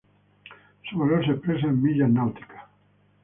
Su valor se expresa en millas náuticas.